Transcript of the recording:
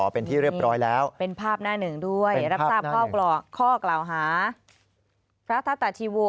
เป็นที่เรียบร้อยแล้วเป็นภาพหน้าหนึ่งด้วยรับทราบข้อกล่าวหาพระทัตตาชีโว